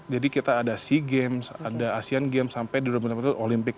jadi kita ada sea games ada asean games sampai di tahun dua ribu dua puluh itu olimpik